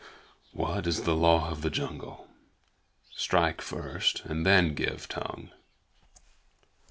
"What is the Law of the Jungle? Strike first and then give tongue.